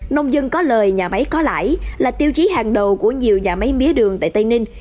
nông dân có lời nhà máy có lãi là tiêu chí hàng đầu của nhiều nhà máy mía đường tại tây ninh